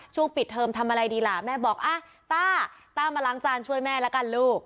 ช่วงปิดเทอมทำอะไรดีล่ะแม่บอกต้ามาล้างจานช่วยแม่ละกันลูก